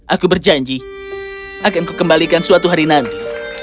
aku berjanji akan kukembalikan suatu hari nanti